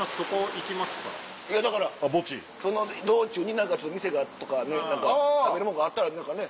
だからその道中に店がとか何か食べるものがあったら何かね。